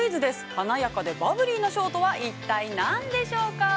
華やかでバブリーなショーとは一体何でしょうか。